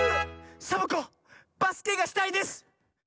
サボ子バスケがしたいです！